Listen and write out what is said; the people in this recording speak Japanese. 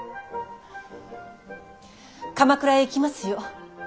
鎌倉へ行きますよ。